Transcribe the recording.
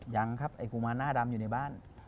ยังครับไอ้กุมารหน้าดำอยู่ในบ้าน